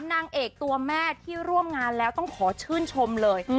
นางเอกตัวแม่ที่ร่วมงานแล้วต้องขอชื่นชมเลย